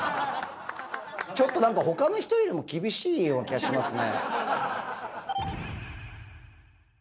ちょっとなんか、ほかの人よりも厳しいような気がしますね。